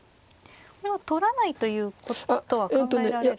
これは取らないということは考えられるんですか？